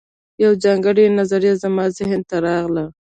یوه ځانګړې نظریه زما ذهن ته راغله